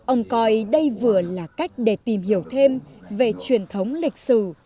ông coi đây vừa là cách để tìm hiểu thêm về truyền thống lịch sử